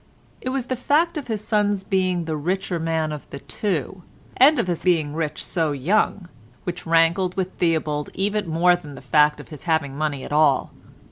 It was the fact of his son's being the richer man of the two, and of his being rich so young, which rankled with Theobald even more than the fact of his having money at all.